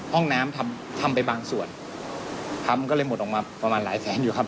ห้องน้ำทำทำไปบางส่วนทำก็เลยหมดออกมาประมาณหลายแสนอยู่ครับ